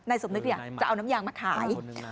สมนึกจะเอาน้ำยางมาขาย